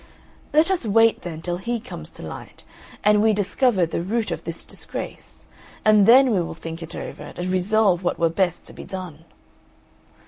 Let us wait, then, till he comes to light, and we discover the root of this disgrace, and then we will think it over and resolve what were best to be done."